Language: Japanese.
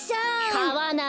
かわない。